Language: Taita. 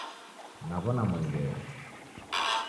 Naw'ona mwengere